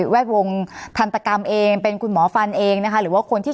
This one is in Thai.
ดวงทันตกรรมเองเป็นคุณหมอฟันเองนะคะหรือว่าคนที่